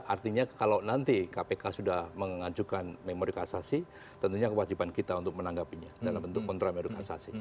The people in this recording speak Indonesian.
artinya kalau nanti kpk sudah mengajukan memori kasasi tentunya kewajiban kita untuk menanggapinya dalam bentuk kontra meriksasa